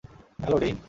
Hello, ডেইন।